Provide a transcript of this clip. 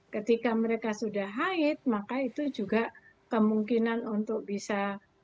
ketika mereka sudah haid maka itu juga kemungkinan untuk bisa